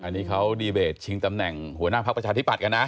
อันนี้เขาดีเบตชิงตำแหน่งหัวหน้าพักประชาธิบัตย์กันนะ